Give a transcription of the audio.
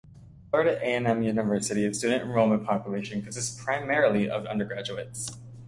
Florida A and M University student enrollment population consists primarily of undergraduates.